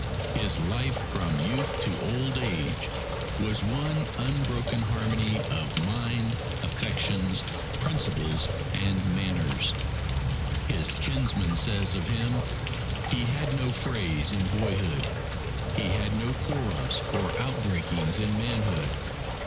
His life from youth to old age was one unbroken harmony of mind, affections, principles, and manners. His kinsman says of him, "He had no frays in boyhood. He had no quarrels or outbreakings in manhood.